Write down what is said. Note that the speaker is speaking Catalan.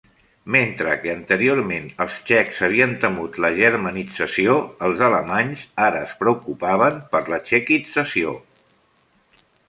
Mentre que anteriorment els txecs havien temut la germanització, els alemanys ara es preocupaven per la txequització.